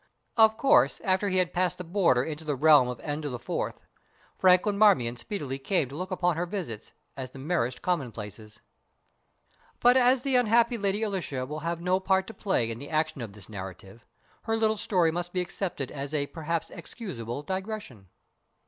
Of course, after he had passed the border into the realm of N4, Franklin Marmion speedily came to look upon her visits as the merest commonplaces. But as the unhappy Lady Alicia will have no part to play in the action of this narrative, her little story must be accepted as a perhaps excusable digression.